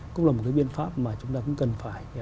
cũng là một cái biện pháp mà chúng ta cũng cần phải